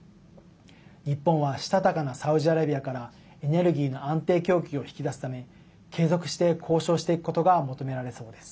日本は、したたかなサウジアラビアからエネルギーの安定供給を引き出すため継続して交渉していくことが求められそうです。